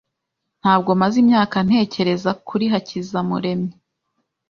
Ntabwo maze imyaka ntekereza kuri Hakizamuremyi